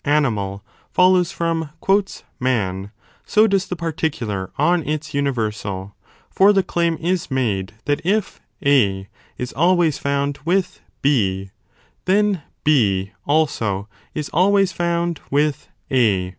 animal follows from man so does the particular on its universal: for the claim is made that if A is always found 25 with B, then B also is always found with A.